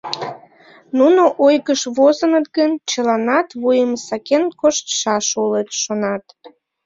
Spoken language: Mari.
Нуно ойгыш возыныт гын, чыланат вуйым сакен коштшаш улыт, шонат.